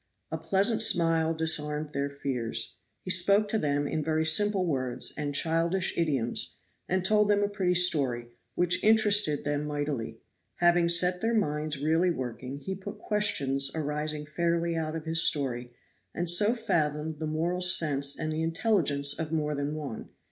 A pleasant smile disarmed their fears. He spoke to them in very simple words and childish idioms, and told them a pretty story, which interested them mightily. Having set their minds really working, he put questions arising fairly out of his story, and so fathomed the moral sense and the intelligence of more than one.